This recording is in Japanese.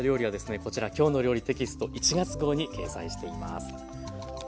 こちら「きょうの料理」テキスト１月号に掲載しています。